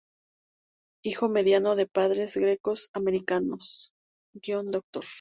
Hijo mediano de padres greco-americanos —Dr.